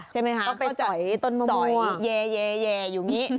ใช่ไหมคะก็จะสอยเยอยู่นี่